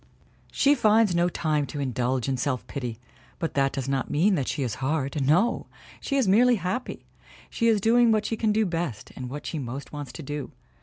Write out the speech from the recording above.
She finds no time to indulge in self pity, but that does not mean that she is hard. No! She is merely happy! She is doing what she can do best and what she most wants to do.